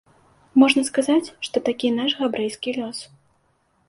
Можна сказаць, што такі наш габрэйскі лёс.